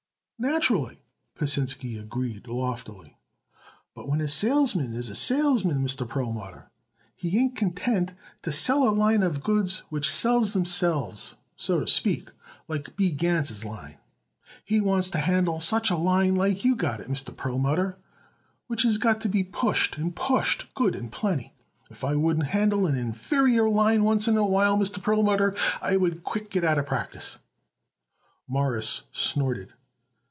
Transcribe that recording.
"Naturally," Pasinsky agreed loftily, "but when a salesman is a salesman, Mr. Perlmutter, he ain't content to sell a line of goods which sells themselves, so to speak, like B. Gans' line. He wants to handle such a line like you got it, Mr. Perlmutter, which is got to be pushed and pushed good and plenty. If I wouldn't handle an inferior line oncet in a while, Mr. Perlmutter, I would quick get out of practice." Morris snorted.